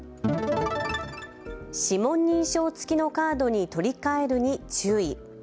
指紋認証付きのカードに取り替えるに注意。